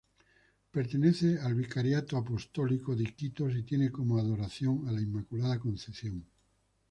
Pertenece al vicariato apostólico de Iquitos y tiene como adoración a la Inmaculada Concepción.